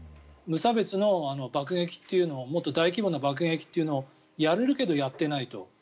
無差別の爆撃というのをもっと大規模な爆撃というのをやれるけどやってないと。